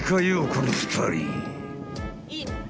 この２人］